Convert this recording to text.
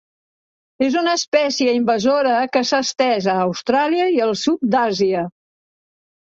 És una espècie invasora que s'ha estès a Austràlia i al sud d'Àsia.